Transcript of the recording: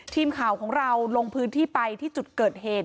ทีมข่าวของเราลงพื้นที่ไปที่จุดเกิดเหตุ